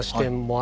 あ。